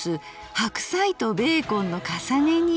白菜とベーコンの重ね煮」。